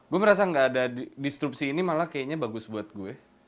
gue merasa gak ada disrupsi ini malah kayaknya bagus buat gue